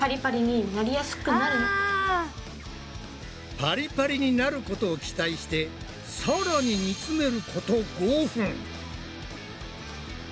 パリパリになることを期待してさらに煮つめること５分。